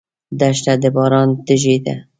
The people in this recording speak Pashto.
دښته د باران تږې ده.